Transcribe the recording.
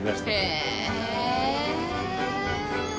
へえ。